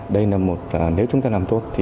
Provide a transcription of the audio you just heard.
đây là một nếu chúng ta làm tốt